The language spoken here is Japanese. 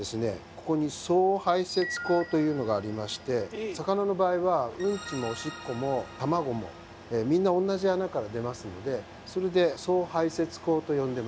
ここに「総排せつこう」というのがありまして魚の場合はうんちもおしっこも卵もみんな同じ穴から出ますのでそれで総排せつこうと呼んでます。